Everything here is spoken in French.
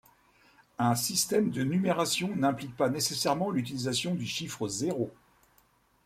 Un système de numération n'implique pas nécessairement l'utilisation du chiffre zéro.